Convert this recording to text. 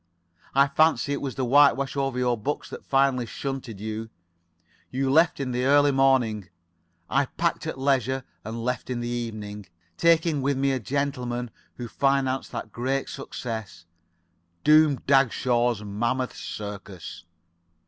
I fancy it was the whitewash over your books that finally shunted you. You left in the early morning. I packed at leisure and left in the evening, taking with me a gentleman who financed that great success, Doom Dagshaw's Mammoth Circus.